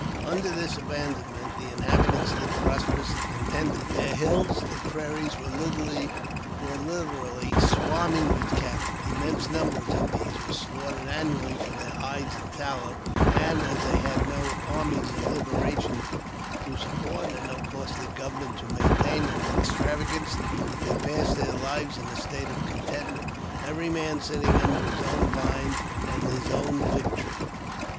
Under this abandonment, the inhabitants lived prosperous and contented ; their hills and prairies were literally swarming with cattle ; immense numbers of these were slaughtered annually for their hides and tallow ; and, as they had no " Armies of Liberation " to support, and no costly government to maintain in extravagance, they passed their lives in a state of contentment, every man sitting under his own vine and his own fig tree.